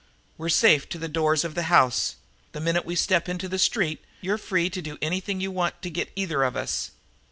We're safe to the doors of the house; the minute we step into the street, you're free to do anything you want to get either of us.